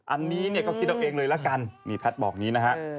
อันนี้ก็คิดเอาเองเลยละกันนี่แพทย์บอกนี้นะครับ